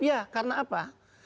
ya karena apa